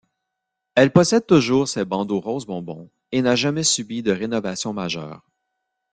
Elle possède toujours ses bandeaux rose bonbon et n'a jamais subi de rénovation majeure.